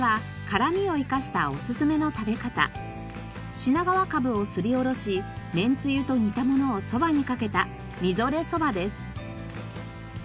品川カブをすりおろしめんつゆと煮たものをそばにかけたみぞれそばです。